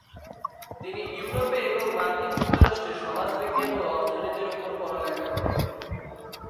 তিনি ইউরোপে এবং মার্কিন যুক্তরাষ্ট্রে সমাজবিজ্ঞান ও অর্থনীতির উপরে পড়ালেখা করেন।